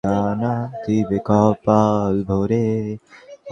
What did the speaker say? সুতরাং, তুমি কি একটি সিংহকে আলিঙ্গন করতে চাও না?